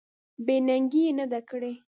بې ننګي یې نه ده کړې.